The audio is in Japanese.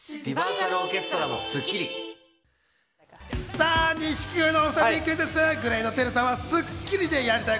さぁ、錦鯉のお２人にクイズッス！